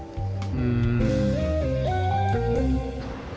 うん。